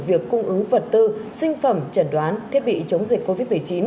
việc cung ứng vật tư sinh phẩm chẩn đoán thiết bị chống dịch covid một mươi chín